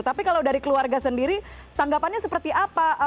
tapi kalau dari keluarga sendiri tanggapannya seperti apa